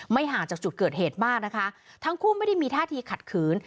ห่างจากจุดเกิดเหตุมากนะคะทั้งคู่ไม่ได้มีท่าทีขัดขืน